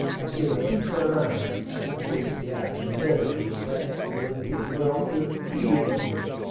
I gin him a piece o' my mind't I guess he'll be apt to remember for a spell. I ruther think he went off with a flea in his ear.